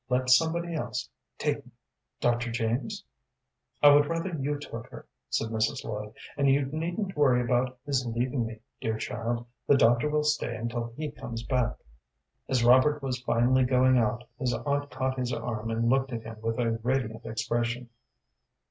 "Let somebody else take me Dr. James " "I would rather you took her," said Mrs. Lloyd. "And you needn't worry about his leaving me, dear child; the doctor will stay until he comes back." As Robert was finally going out his aunt caught his arm and looked at him with a radiant expression.